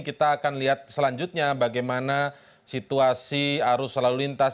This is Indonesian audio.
kita akan lihat selanjutnya bagaimana situasi arus lalu lintas